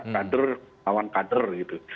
kader lawan kader gitu